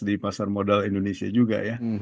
di pasar modal indonesia juga ya